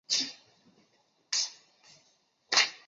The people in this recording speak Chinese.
富贵浮云，艺术千秋